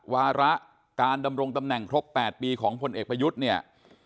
วาระการดำรงตำแหน่งครบ๘ปีของพลเอกประยุทธ์เนี่ย